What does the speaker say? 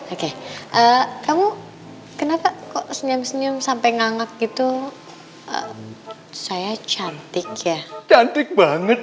oke kamu kenapa kok senyum senyum sampai nganggak gitu saya cantik ya cantik banget